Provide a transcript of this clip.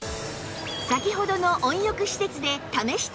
先ほどの温浴施設で試して頂くと